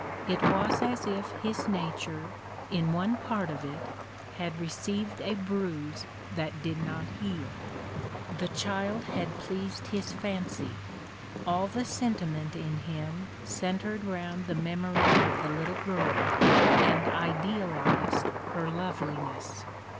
It was as if his nature, in one part of it, had received a bruise that did not heal. The child had pleased his fancy. All the sentiment in him centred round the memory of the little girl, and idealized her loveliness.